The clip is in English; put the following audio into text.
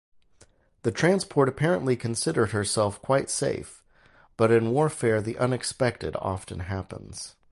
The transport apparently considered herself quite safe-but in warfare the unexpected often happens.